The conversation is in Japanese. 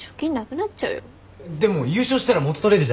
でも優勝したら元取れるじゃん。